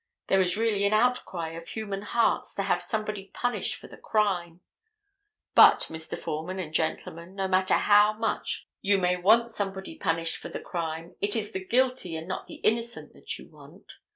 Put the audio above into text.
There is really an outcry of human hearts to have somebody punished for the crime. But, Mr. Foreman and gentlemen, no matter how much you may want somebody punished for the crime, it is the guilty and not the innocent that you want.